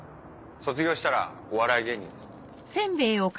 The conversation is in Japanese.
卒業したらお笑い芸人です。